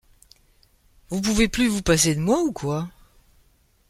Vous pouvez plus vous passer de moi ou quoi ?